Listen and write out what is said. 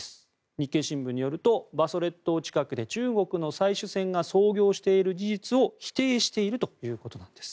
日経新聞によると馬祖列島近くで中国の採取船が操業している事実を否定しているということです。